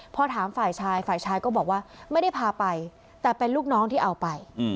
พอถามฝ่ายชายฝ่ายชายก็บอกว่าไม่ได้พาไปแต่เป็นลูกน้องที่เอาไป